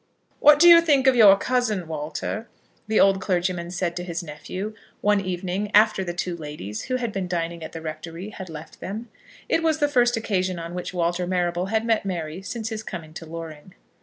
"What do you think of your cousin, Walter?" the old clergyman said to his nephew, one evening, after the two ladies, who had been dining at the Rectory, had left them. It was the first occasion on which Walter Marrable had met Mary since his coming to Loring.